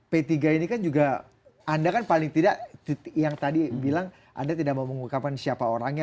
p tiga ini kan juga anda kan paling tidak yang tadi bilang anda tidak mau mengungkapkan siapa orangnya